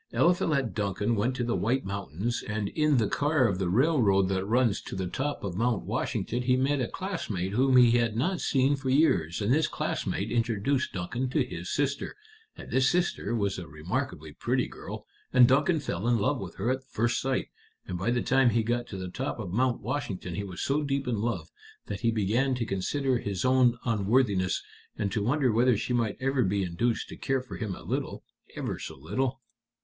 Eliphalet Duncan went to the White Mountains, and in the car of the railroad that runs to the top of Mount Washington he met a classmate whom he had not seen for years, and this classmate introduced Duncan to his sister, and this sister was a remarkably pretty girl, and Duncan fell in love with her at first sight, and by the time he got to the top of Mount Washington he was so deep in love that he began to consider his own unworthiness, and to wonder whether she might ever be induced to care for him a little ever so little."